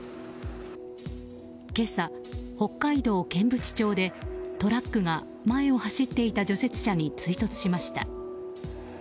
今朝、北海道剣淵町でトラックが前を走っていた除雪車に追突しました。